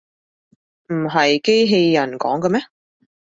唔係機器人講嘅咩